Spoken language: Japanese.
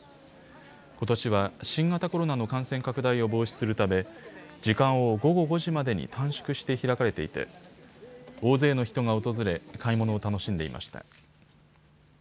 ことしは新型コロナの感染拡大を防止するため時間を午後５時までに短縮して開かれていて大勢の人が訪れ買い物を楽しんでいました。